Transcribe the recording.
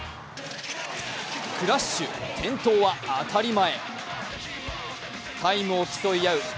クラッシュ、転倒は当たり前。